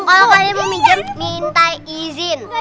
kalau kalian mau minjem minta izin